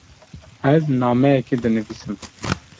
Ez nameyekê dinivîsim.